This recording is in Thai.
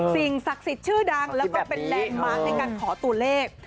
สิ่งศักดิ์สิทธิ์ชื่อดังแล้วก็เป็นแลกมาค์ขอตัวเลข